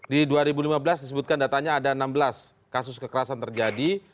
di dua ribu lima belas disebutkan datanya ada enam belas kasus kekerasan terjadi